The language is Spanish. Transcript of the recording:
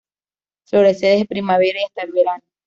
Florece desde primavera y hasta el verano.